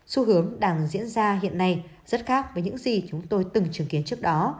xu hướng đang diễn ra hiện nay rất khác với những gì chúng tôi từng chứng kiến trước đó